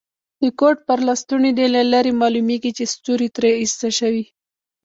د کوټ پر لستوڼي دي له لرې معلومیږي چي ستوري ترې ایسته شوي.